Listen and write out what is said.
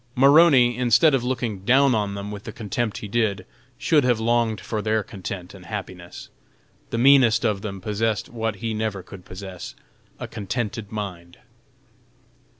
Maroney, instead of looking down on them with the contempt he did, should have longed for their content and happiness. The meanest of them possessed what he never could possess "a contented mind."